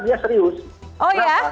dia serius oh iya